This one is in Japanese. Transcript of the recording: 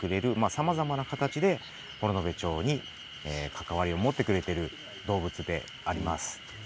さまざまな形で、幌延町に関わりを持ってくれている動物であります。